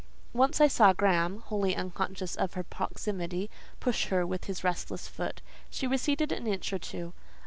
Once I saw Graham—wholly unconscious of her proximity—push her with his restless foot. She receded an inch or two.